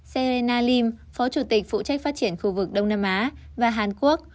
serena lim phó chủ tịch phụ trách phát triển khu vực đông nam á và hàn quốc